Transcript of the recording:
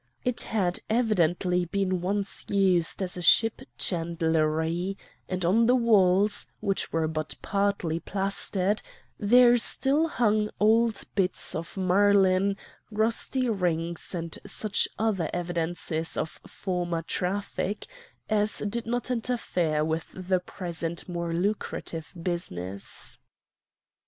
It had evidently been once used as a ship chandlery, and on the walls, which were but partly plastered, there still hung old bits of marlin, rusty rings and such other evidences of former traffic as did not interfere with the present more lucrative business.